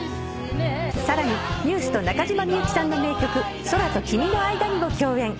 さらにＮＥＷＳと中島みゆきさんの名曲『空と君のあいだに』を共演。